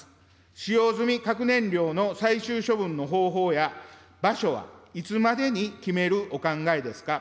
使用済み核燃料の最終処分の方法や場所はいつまでに決めるお考えですか。